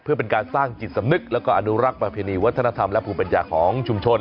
เพื่อเป็นการสร้างจิตสำนึกแล้วก็อนุรักษ์ประเพณีวัฒนธรรมและภูมิปัญญาของชุมชน